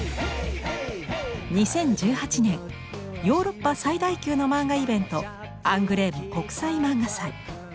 ２０１８年ヨーロッパ最大級の漫画イベント「アングレーム国際漫画祭」。